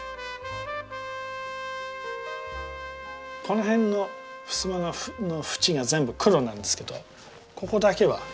この辺のふすまの縁が全部黒なんですけどここだけは赤いんです。